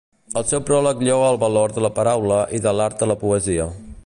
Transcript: El seu pròleg lloa el valor de la paraula i de l'art de la poesia.